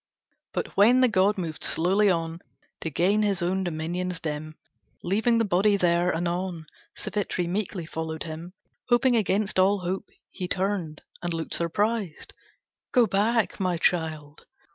But when the god moved slowly on To gain his own dominions dim, Leaving the body there anon Savitri meekly followed him, Hoping against all hope; he turned And looked surprised. "Go back, my child!"